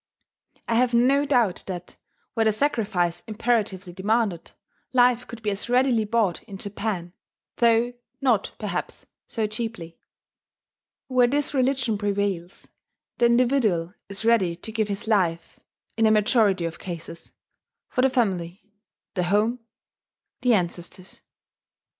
I have no doubt that, were the sacrifice imperatively demanded, life could be as readily bought in Japan, though not, perhaps, so cheaply. Where this religion prevails, the individual is ready to give his life, in a majority of cases, for the family, the home, the ancestors.